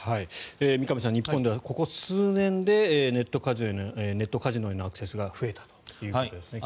三上さん、日本ではここ数年でネットカジノへのアクセスが急激に増えたということですね。